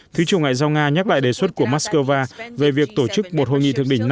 thứ trưởng ngoại giao nga nhắc lại đề xuất của moscow về việc tổ chức một hội nghị thượng đỉnh năm